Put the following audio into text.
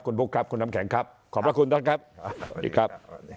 คุณบุ๊คครับคุณน้ำแข็งครับขอบพระคุณท่านครับสวัสดีครับ